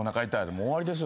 もう終わりですよ